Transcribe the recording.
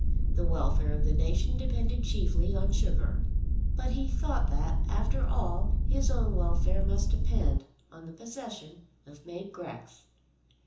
The welfare of the nation depended chiefly on sugar. But he thought that, after all, his own welfare must depend on the possession of Mab Grex.